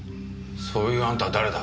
そういうあんたは誰だ？